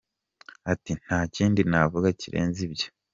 Ati “Nta kindi navuga kirenze ibyo.